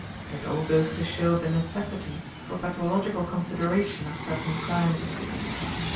It all goes to show the necessity for pathological consideration of certain crimes."